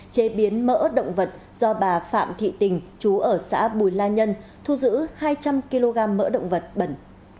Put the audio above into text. chế biến mỡ động vật do bà phạm thị tình chú ở xã bùi la nhân thu giữ hai trăm linh kg mỡ động vật bẩn